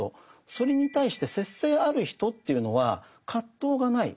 それに対して節制ある人というのは葛藤がない。